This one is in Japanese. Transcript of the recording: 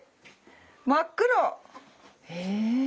真っ黒。へ。